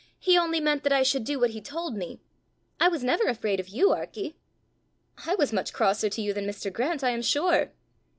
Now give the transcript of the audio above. he only meant that I should do what he told me: I was never afraid of you, Arkie!" "I was much crosser to you than Mr. Grant, I am sure!"